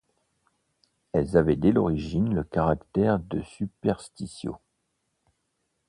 Elles avaient dès l'origine le caractère de superstitio.